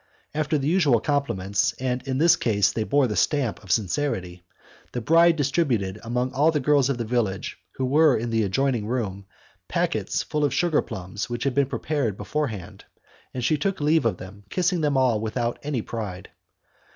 After the usual compliments and in this case they bore the stamp of sincerity the bride distributed among all the girls of the village, who were in the adjoining room, packets full of sugar plums which had been prepared before hand, and she took leave of them, kissing them all without any pride.